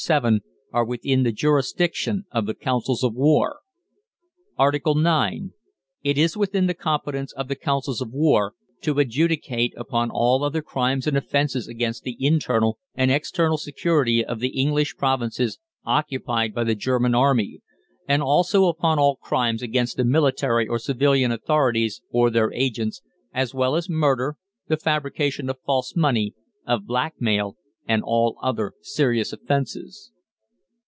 VII. are within the jurisdiction of the Councils of War. ARTICLE IX. It is within the competence of Councils of War to adjudicate upon all other crimes and offences against the internal and external security of the English provinces occupied by the German Army, and also upon all crimes against the military or civil authorities, or their agents, as well as murder, the fabrication of false money, of blackmail, and all other serious offences.